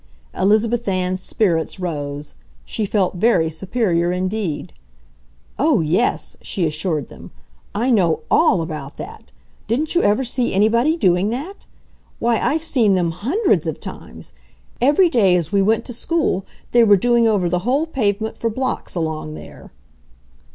Elizabeth Ann's spirits rose. She felt very superior indeed. "Oh, yes," she assured them, "I know ALL about that! Didn't you ever see anybody doing that? Why, I've seen them HUNDREDS of times! Every day as we went to school they were doing over the whole pavement for blocks along there."